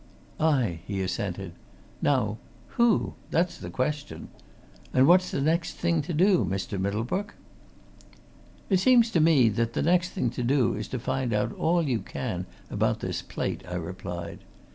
"Aye!" he assented. "Now who? That's the question. And what's the next thing to do, Mr. Middlebrook?" "It seems to me that the next thing to do is to find out all you can about this plate," I replied.